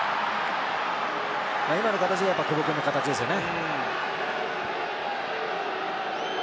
今の形が、やっぱり久保君の形ですよね。